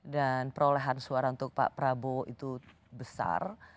dan perolehan suara untuk pak prabowo itu besar